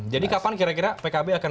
jadi kapan kira kira pkb akan